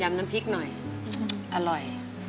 น้ำพริกหน่อยอร่อย